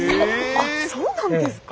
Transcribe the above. あっそうなんですか？